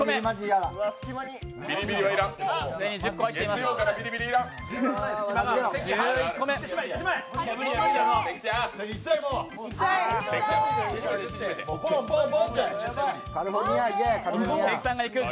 月曜からビリビリは要らん。